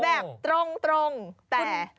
แบบตรงแต่